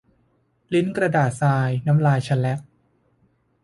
ลิ้นกระดาษทราย น้ำลายเชลแล็ก